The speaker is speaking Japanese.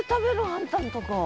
あんたんとこ。